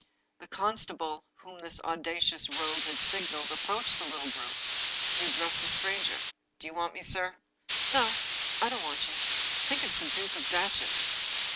The constable whom this audacious rogue had signaled approached the little group. He addressed the stranger :" Do you want me, sir ?"" No, I do not want you. I think it is the Duke of Datchet."